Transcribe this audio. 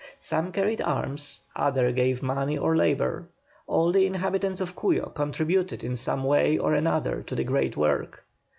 Some carried arms, others gave money or labour, all the inhabitants of Cuyo contributed in some way or another to the great work.